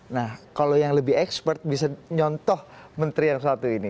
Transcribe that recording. nah kalau yang lebih ekspert bisa nyontoh menteri yang satu ini